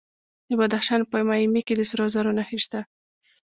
د بدخشان په مایمي کې د سرو زرو نښې شته.